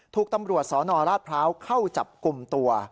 ถูกตำรวจสนราชพร้าวเข้าจับกลุ่มตัว